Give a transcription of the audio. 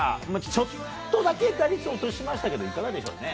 ちょっとだけ打率、落としましたけど、いかがでしょうね。